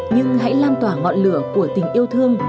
nhưng hãy lan tỏa ngọn lửa của tình yêu thương